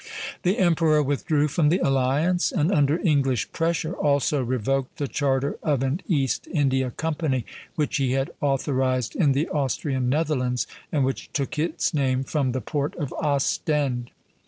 The emperor withdrew from the alliance, and under English pressure also revoked the charter of an East India company which he had authorized in the Austrian Netherlands, and which took its name from the port of Ostend.